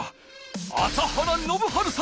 朝原宣治さん！